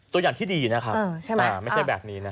ตัวอย่างที่ดีนะคะไม่ใช่แบบนี้นะคะ